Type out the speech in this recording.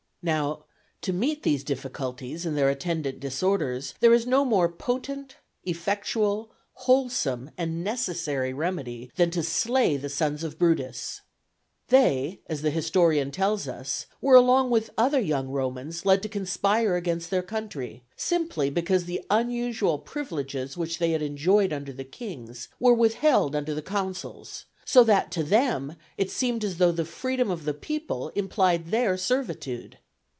Now, to meet these difficulties and their attendant disorders, there is no more potent, effectual, wholesome, and necessary remedy than to slay the sons of Brutus. They, as the historian tells us, were along with other young Romans led to conspire against their country, simply because the unusual privileges which they had enjoyed under the kings, were withheld under the consuls; so that to them it seemed as though the freedom of the people implied their servitude.